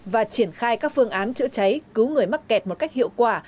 và triển khai các phương án chữa cháy cứu người mắc kẹt một cách hiệu quả